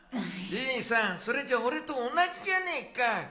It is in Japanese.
じいさんそれじゃ俺と同じじゃねえか。